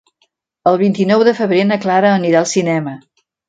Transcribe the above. El vint-i-nou de febrer na Clara anirà al cinema.